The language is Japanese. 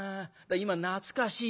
今懐かしいよ。